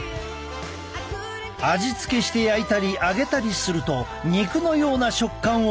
味付けして焼いたり揚げたりすると肉のような食感を味わえる。